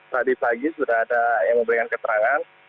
tadi pagi sudah ada yang memberikan keterangan